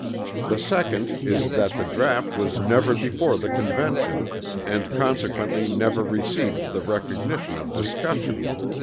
The second is that the draught was never before the Convention and consequently never received the recognition of discussion.